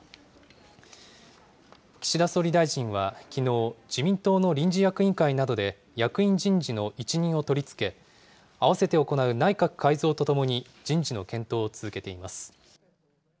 岸田総理大臣はきのう、自民党の臨時役員会などで役員人事の一任を取り付け、併せて行う内閣改造とともに人事の検討を続けています。